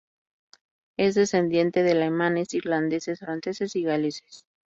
Es descendiente de alemanes, irlandeses, franceses y galeses.